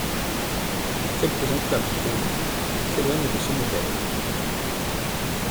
Quelques enclaves drow s'éloignent de ce modèle.